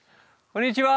こんにちは。